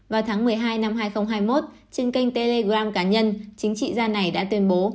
vào tháng một mươi hai năm hai nghìn hai mươi một trên kênh telegram cá nhân chính trị gia này đã tuyên bố